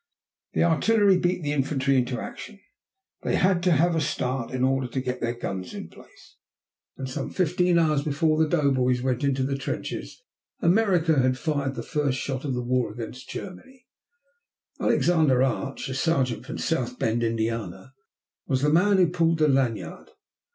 The artillery beat the infantry into action. They had to have a start in order to get their guns into place, and some fifteen hours before the doughboys went into the trenches America had fired the first shot of the war against Germany. Alexander Arch, a sergeant from South Bend, Indiana, was the man who pulled the lanyard.